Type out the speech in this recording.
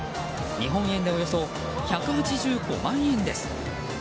日本円でおよそ１８５万円です。